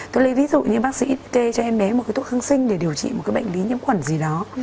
tôi lấy ví dụ như bác sĩ kê cho em bé một cái thuốc kháng sinh để điều trị một cái bệnh lý nhiễm khuẩn gì đó